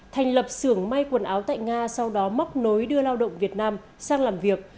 thành lập xưởng may quần áo tại nga sau đó móc nối đưa lao động việt nam sang làm việc